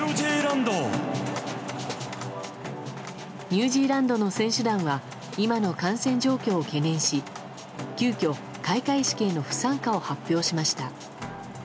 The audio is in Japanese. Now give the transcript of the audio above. ニュージーランドの選手団は今の感染状況を懸念し急遽、開会式への不参加を発表しました。